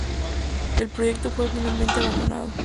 El proyecto fue finalmente abandonado.